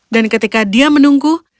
dan ketika dia menunggu